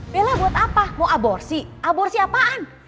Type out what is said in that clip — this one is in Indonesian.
bella buat apa mau aborsi aborsi apaan